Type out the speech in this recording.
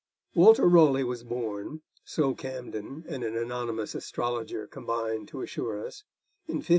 Walter Raleigh was born, so Camden and an anonymous astrologer combine to assure us, in 1552.